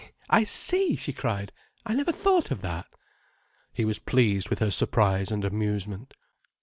I see!" she cried. "I never thought of that." He was pleased with her surprise and amusement.